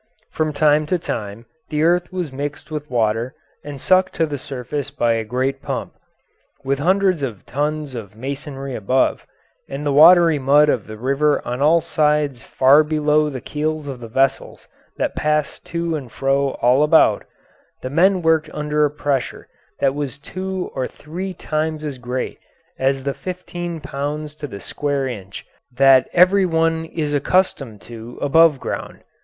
From time to time the earth was mixed with water and sucked to the surface by a great pump. With hundreds of tons of masonry above, and the watery mud of the river on all sides far below the keels of the vessels that passed to and fro all about, the men worked under a pressure that was two or three times as great as the fifteen pounds to the square inch that every one is accustomed to above ground.